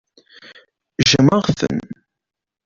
Jjmeɣ-ten.